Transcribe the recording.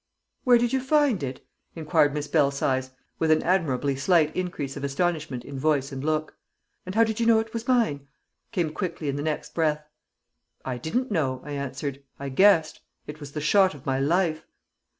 "Where did you find it?" inquired Miss Belsize, with an admirably slight increase of astonishment in voice and look. "And how did you know it was mine?" came quickly in the next breath. "I didn't know," I answered. "I guessed. It was the shot of my life!"